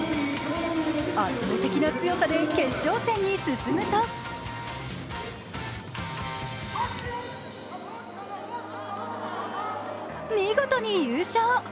圧倒的な強さで決勝戦に進むと見事に優勝。